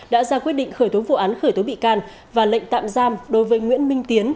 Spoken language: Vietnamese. đã ra quyết định khởi tố vụ án khởi tố bị can và lệnh tạm giam đối với nguyễn minh tiến